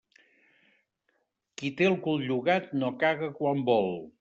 Qui té el cul llogat no caga quan vol.